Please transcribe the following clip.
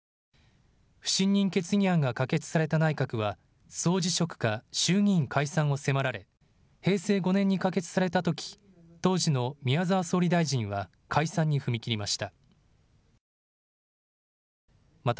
不信任決議案が可決された内閣は総辞職か衆議院解散を迫られ平成５年に可決されたとき当時の宮沢総理大臣は解散に踏み切りました。